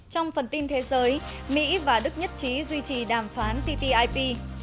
trong phần tin thế giới mỹ và đức nhất trí duy trì đàm phán ttip